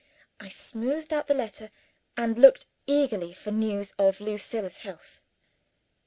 I smoothed out the letter, and looked eagerly for news of Lucilla's health.